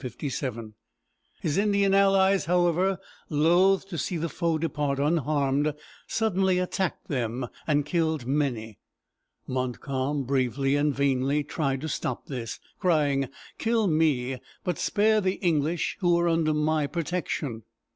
His Indian allies, however, loath to see the foe depart unharmed, suddenly attacked them, and killed many. Montcalm bravely and vainly tried to stop this, crying: "Kill me, but spare the English who are under my protection."